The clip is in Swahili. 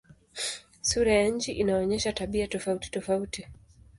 Sura ya nchi inaonyesha tabia tofautitofauti.